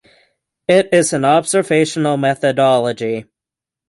It is an observational methodology.